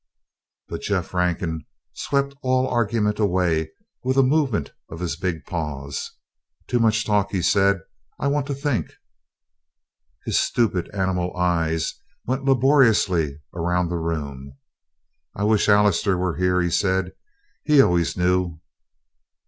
But Jeff Rankin swept all argument away with a movement of his big paws. "Too much talk," he said. "I want to think." His stupid, animal eyes went laboriously around the room. "I wish Allister was here," he said. "He always knew."